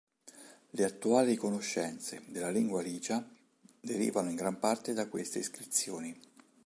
Le attuali conoscenze della lingua licia derivano in gran parte da queste iscrizioni.